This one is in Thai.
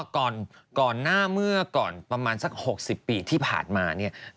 ก็ก่อนหน้าเมื่อประมาณสัก๖๐ปีที่ผ่านมา